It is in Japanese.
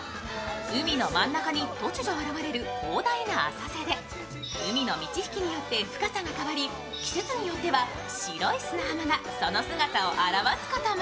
海の真ん中に突如現れる広大な浅瀬で海の満ち引きによって深さが変わり、季節によっては白い砂浜がその姿を現すことも